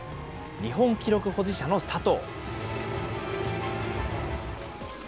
日本記録保持者の佐藤。